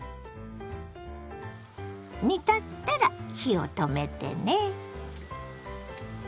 煮立ったら火を止めてね。